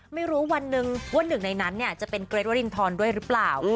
ไม่รู้วันหนึ่งว่าหนึ่งในนั้นจะเป็นเกรทวรินทรด้วยหรือเปล่า